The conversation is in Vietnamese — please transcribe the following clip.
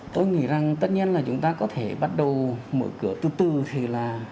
tôi nghĩ rằng tất nhiên là chúng ta có thể bắt đầu mở cửa từ từ thì là